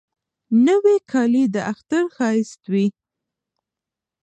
نوې کالی د اختر ښایست وي